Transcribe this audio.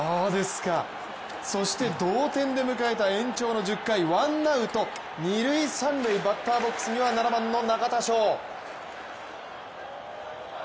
そして同点で迎えた延長の１０回、ワンアウト二・三塁バッターボックスには７番の中田翔。